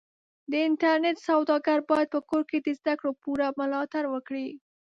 د انټرنېټ سوداګر بايد په کور کې د زدهکړو پوره ملاتړ وکړي.